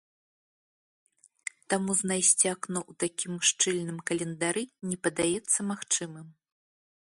Таму знайсці акно ў такім шчыльным календары не падаецца магчымым.